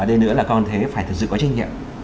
ở đây nữa là con thế phải thực sự có trách nhiệm